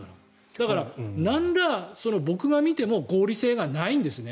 だから、なんら僕が見ても合理性がないんですね。